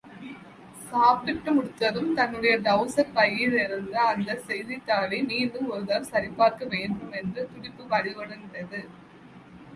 சாப்பிட்டு முடித்ததும், தன்னுடைய ட்ரவுசர் பையிலிருந்த அந்தச் செய்தித்தாளை மீண்டும் ஒரு தரம் பார்க்க வேண்டுமென்கிற துடிப்பு வலுவடைந்தது!